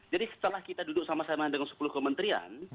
jadi setelah kita duduk sama sama dengan sepuluh kementerian